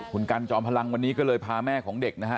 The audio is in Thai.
คุณกันจอมพลังวันนี้ก็เลยพาแม่ของเด็กนะฮะ